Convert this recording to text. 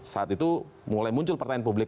saat itu mulai muncul pertanyaan publik